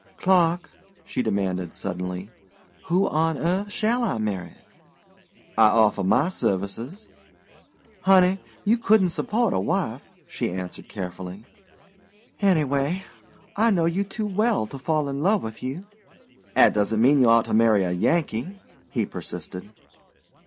"Clark," she demanded suddenly, "who on earth shall I marry?" "I offer my services." "Honey, you couldn't support a wife," she answered cheerfully. "Anyway, I know you too well to fall in love with you." "'At doesn't mean you ought to marry a Yankee," he persisted.